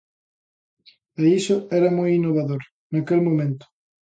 E iso era moi innovador naquel momento.